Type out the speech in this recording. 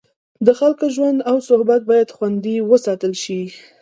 د خلکو ژوند او صحت باید خوندي وساتل شي.